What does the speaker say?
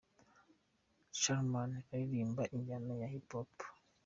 Charmant aririmba injyana ya Hip Hop.